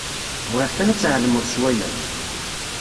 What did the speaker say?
Bɣiɣ kan ad tɛelmeḍ s waya.